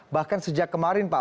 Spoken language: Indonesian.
bahkan sejak kemarin pak